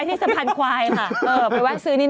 ตามโป๊ะสิ